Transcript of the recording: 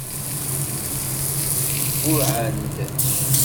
Ggurrɛen-d.